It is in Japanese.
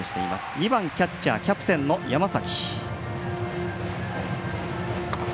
２番キャッチャーキャプテンの山崎。